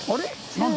何だ？